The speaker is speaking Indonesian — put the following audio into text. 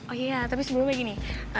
oh iya tapi sebelumnya gini